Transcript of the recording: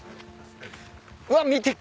うわ見て。